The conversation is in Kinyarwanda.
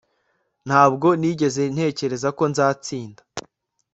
Ntabwo nigeze ntekereza ko nzatsinda